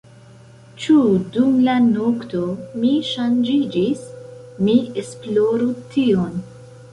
Ĉu dum la nokto mi ŝanĝiĝis? mi esploru tion.